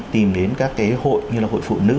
tìm đến các hội như là hội phụ nữ